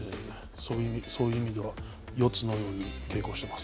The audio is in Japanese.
そういう意味では、四つのようにしています。